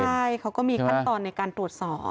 ใช่เขาก็มีขั้นตอนในการตรวจสอบ